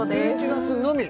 １１月のみ？